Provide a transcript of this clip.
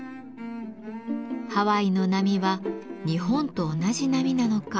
ハワイの波は日本と同じ波なのか。